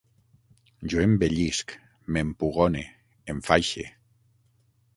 Jo embellisc, m'empugone, enfaixe